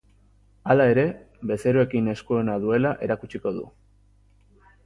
Hala ere, bezeroekin esku ona duela erakutsiko du.